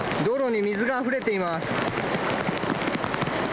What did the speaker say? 道路に水があふれています。